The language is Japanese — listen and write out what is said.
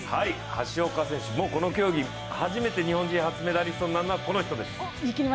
橋岡選手、この競技、初めての日本人メダリストになるのはこの人です。